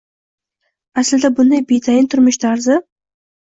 Aslida bunday betayin turmush tarzi